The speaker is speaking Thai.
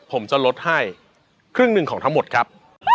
ผมจะลดให้ครึ่งหนึ่งของทั้งหมดครับ